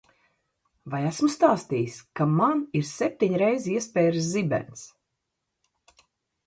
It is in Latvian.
Vai esmu stāstījis, ka man ir septiņreiz iespēris zibens?